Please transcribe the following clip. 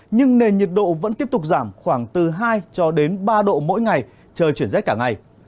nhưng nền nhiệt độ vẫn tiếp tục giảm khoảng từ hai cho đến ba độ mỗi ngày trời chuyển rét cả ngày